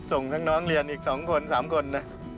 ส่งทั้งน้องเรียนอีก๒คน๓คนนะ